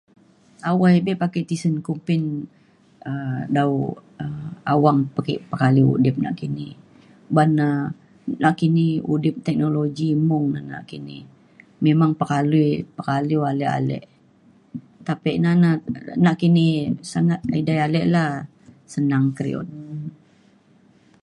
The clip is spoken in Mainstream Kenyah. Awai be' pe ake tesen kumpin um dau um awang peke pekaliu udip nakini. Uban um nakini udip teknologi mung na nakini. Memang pekalui pekalui alik alik tapi na na naki sangat edai ale' la senang keriut.